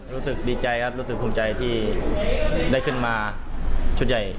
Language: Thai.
รู้สึกดีใจครับรู้สึกภูมิใจที่ได้ขึ้นมาชุดใหญ่